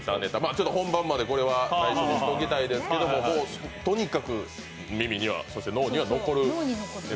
ちょっと本番までこれは内緒にしておきたいですけどとにかく耳には、脳には残るという。